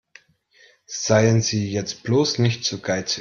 Seien Sie jetzt bloß nicht zu geizig.